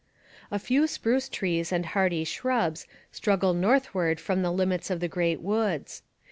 A few spruce trees and hardy shrubs struggle northward from the limits of the great woods.